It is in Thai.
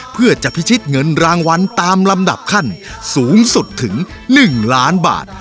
เพื่อจะพิชิตเงินรางวัลตามลำดับขั้นสูงสุดถึง๑ล้านบาท